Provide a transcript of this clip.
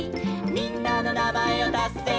「みんなのなまえをたせば」